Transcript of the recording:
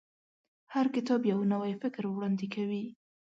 هر کتاب یو نوی فکر وړاندې کوي.